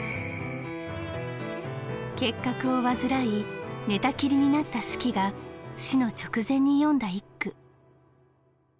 結核を患い寝たきりになった子規が死の直前に詠んだ一句。